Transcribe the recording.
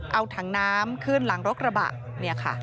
เอาถังน้ำขึ้นหลังรถกระบะเนี่ยค่ะ